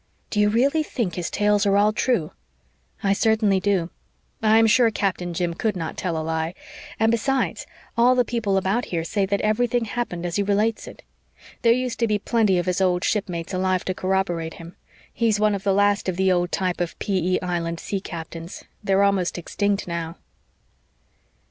Do you really think his tales are all true?" "I certainly do. I am sure Captain Jim could not tell a lie; and besides, all the people about here say that everything happened as he relates it. There used to be plenty of his old shipmates alive to corroborate him. He's one of the last of the old type of P.E. Island sea captains. They are almost extinct now."